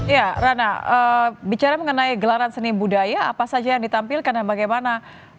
ya rana bicara mengenai gelaran seni budaya apa saja yang ditampilkan dan bagaimana